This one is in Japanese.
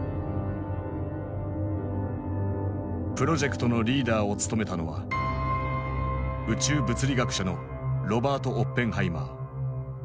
プロジェクトのリーダーを務めたのは宇宙物理学者のロバート・オッペンハイマー。